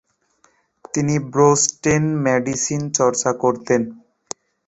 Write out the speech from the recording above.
তিনি বোস্টনে মেডিসিন চর্চা করতেন।